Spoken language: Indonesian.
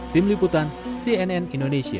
tim liputan cnn indonesia